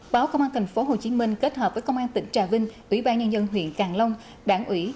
báo công an tp hcm kết hợp với công an tỉnh trà vinh ủy ban nhân dân huyện càng long đảng ủy